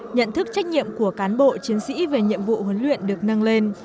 nhận thức trách nhiệm của cán bộ chiến sĩ về nhiệm vụ huấn luyện được nâng lên